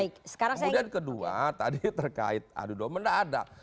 kemudian kedua tadi terkait adu domen tidak ada